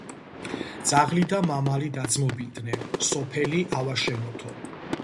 ძაღლი და მამალი დაძმობილდენ: სოფელი ავაშენოთო.